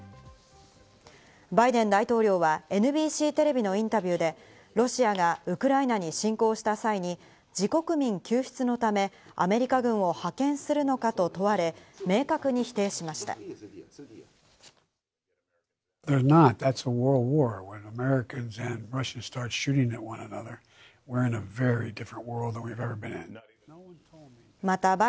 バイデン大統領はＮＢＣテレビのインタビューでロシアがウクライナに侵攻した際に、自国民救出のためアメリカ軍を派遣するのかと問われ、明確に否定しました。